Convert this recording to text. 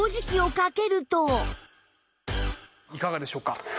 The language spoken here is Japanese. いかがでしょうか？